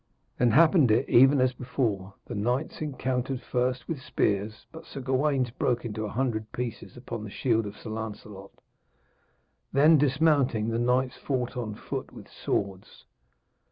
Then happened it even as before. The knights encountered first with spears, but Sir Gawaine's broke into a hundred pieces on the shield of Sir Lancelot. Then, dismounting, the knights fought on foot with swords.